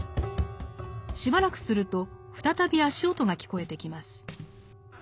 しばらくすると再び足音が聞こえてきます。